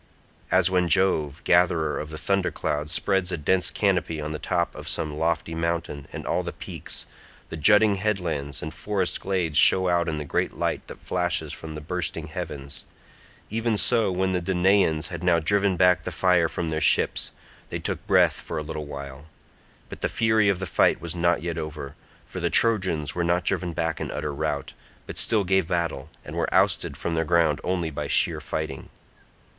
As when Jove, gatherer of the thunder cloud, spreads a dense canopy on the top of some lofty mountain, and all the peaks, the jutting headlands, and forest glades show out in the great light that flashes from the bursting heavens, even so when the Danaans had now driven back the fire from their ships, they took breath for a little while; but the fury of the fight was not yet over, for the Trojans were not driven back in utter rout, but still gave battle, and were ousted from their ground only by sheer fighting.